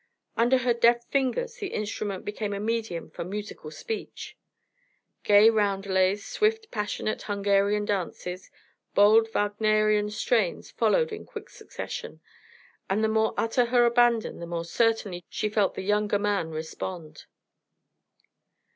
Under her deft fingers the instrument became a medium for musical speech. Gay roundelays, swift, passionate Hungarian dances, bold Wagnerian strains followed in quick succession, and the more utter her abandon the more certainly she felt the younger man respond.